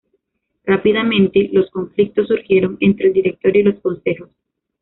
Rápidamente, los conflictos surgieron entre el Directorio y los Consejos.